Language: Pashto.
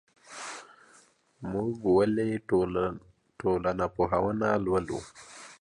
موږ ولي ټولنپوهنه لولو؟